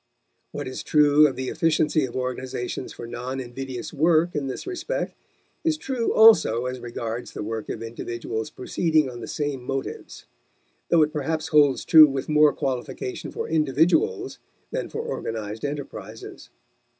What is true of the efficiency of organizations for non invidious work in this respect is true also as regards the work of individuals proceeding on the same motives; though it perhaps holds true with more qualification for individuals than for organized enterprises.